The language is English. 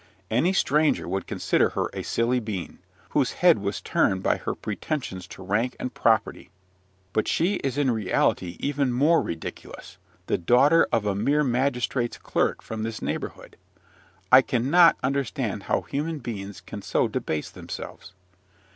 Any stranger would consider her a silly being, whose head was turned by her pretensions to rank and property; but she is in reality even more ridiculous, the daughter of a mere magistrate's clerk from this neighbourhood. I cannot understand how human beings can so debase themselves.